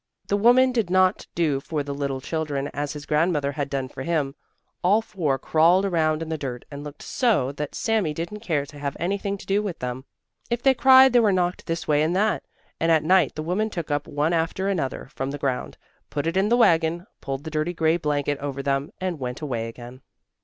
The woman did not do for the little children as his grandmother had done for him. All four crawled around in the dirt and looked so that Sami didn't care to have anything to do with them. If they cried they were knocked this way and that, and at night the woman took up one after another from the ground, put it in the wagon, pulled the dirty grey blanket over them and went away again.